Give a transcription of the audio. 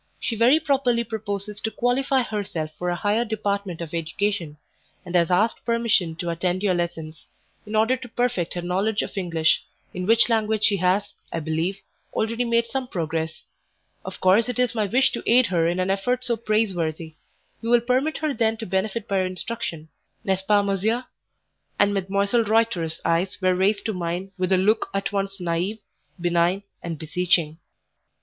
She very properly proposes to qualify herself for a higher department of education, and has asked permission to attend your lessons, in order to perfect her knowledge of English, in which language she has, I believe, already made some progress; of course it is my wish to aid her in an effort so praiseworthy; you will permit her then to benefit by your instruction n'est ce pas, monsieur?" And Mdlle. Reuter's eyes were raised to mine with a look at once naive, benign, and beseeching.